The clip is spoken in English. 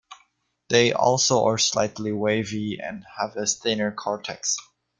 They also are slightly wavy and have a thinner cortex.